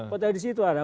potensi itu ada